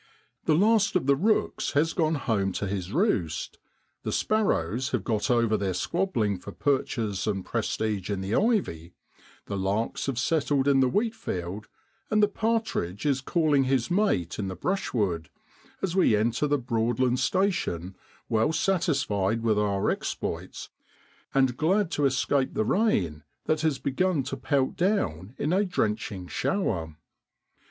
MARCH IN BROADLAND. 33 The last of the rooks has gone home to his roost, the sparrows have got over their squabbling for perches and prestige in the ivy, the larks have settled in the wheatfield, and the partridge is calling his mate in the brushwood, as we enter the Broadland station, well satisfied with our exploits and glad to escape the rain that has begun to pelt down in a drenching shower.